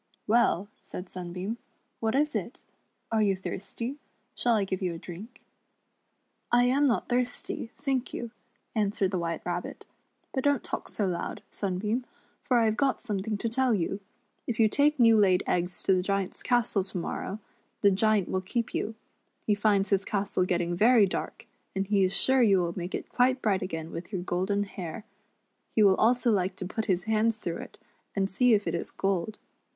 "Well," said Sunbeam, "what is it? Are you thirsty. * Shall I give you a drink. *"" I am not thirsty, thank you," answered the WMiite Rabbit; "but don't talk so loud, Sunbeam, for I have got something to tell you. If you take new laid eggs to the Giant's castle to morrow, the Giant will keep you. He finds his castle getting very dark, and he is sure you will make it quite bright again with your golden hair. He will also like to put his hands through it, and see if it is gold.